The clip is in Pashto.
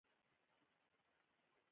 درې شوروي افسران هم په دفتر کې موجود وو